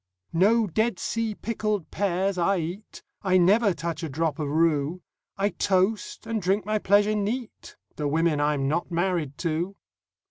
No Dead Sea pickled pears I eat; I never touch a drop of rue; I toast, and drink my pleasure neat, The women I'm not married to!